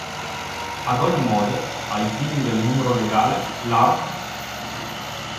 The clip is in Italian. Ad ogni modo, ai fini del numero legale, l'art.